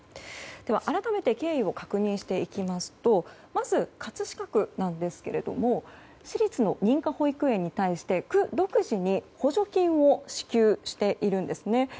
では、改めて経緯を確認していきますとまず、葛飾区ですが私立の認可保育園に対し区独自の補助金を支給しているんです。